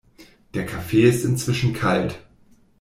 Der Kaffee ist inzwischen kalt.